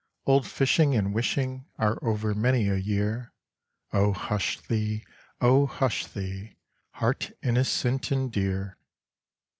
Old fishing and wishing Are over many a year. O hush thee, O hush thee! heart innocent and dear.